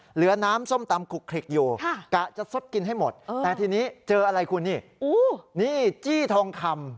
เหลือน้ำส้มตำคลุกคลิกอยู่กะจะซดกินให้หมดแต่ทีนี้เจออะไรคุณนี่นี่จี้ทองคำ